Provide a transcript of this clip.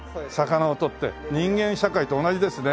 人間社会と同じですね。